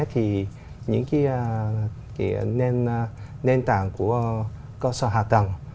thì những nền tảng của cơ sở hạ tầng